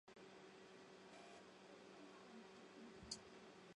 中央大厅正面对出处建有月台。